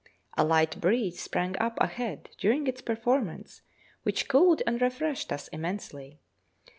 A light breeze sprang up ahead during its performance, which cooled and refreshed us immensely.